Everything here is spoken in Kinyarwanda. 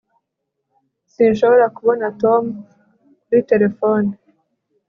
sinshobora kubona tom kuri terefone